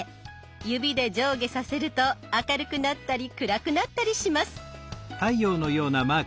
指で上下させると明るくなったり暗くなったりします。